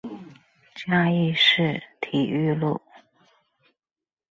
嘉義市體育路